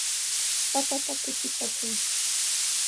Papata kutipaashun.